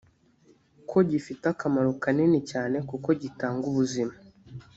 ko gifite akamaro kanini cyane kuko gitanga ubuzima